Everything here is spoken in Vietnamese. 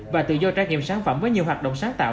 và tự do trải nghiệm sản phẩm với nhiều hoạt động sáng tạo